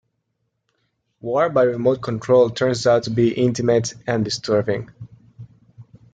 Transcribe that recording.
War by remote control turns out to be intimate and disturbing.